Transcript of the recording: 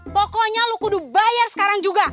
pokoknya lo kudu bayar sekarang juga